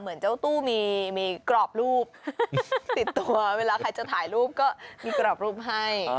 เหมือนเจ้าตู้มีกรอบรูปติดตัวเวลาใครจะถ่ายรูปก็มีกรอบรูปให้